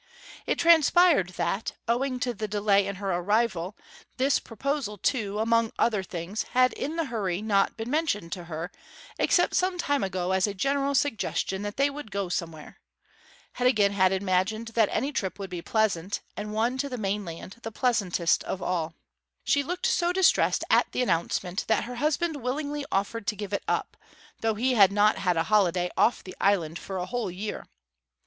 It transpired that, owing to the delay in her arrival, this proposal too, among other things, had in the hurry not been mentioned to her, except some time ago as a general suggestion that they would go somewhere. Heddegan had imagined that any trip would be pleasant, and one to the mainland the pleasantest of all. She looked so distressed at the announcement that her husband willingly offered to give it up, though he had not had a holiday off the island for a whole year.